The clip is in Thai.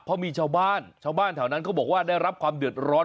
เพราะมีชาวบ้านชาวบ้านแถวนั้นเขาบอกว่าได้รับความเดือดร้อน